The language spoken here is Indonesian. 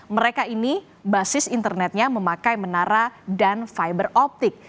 mereka ini basis internetnya memakai menara dan fiber optik